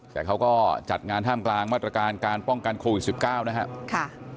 แต่เขาก็จัดงานท่ามกลางมาตรการการป้องกันโควิด๑๙นะครับ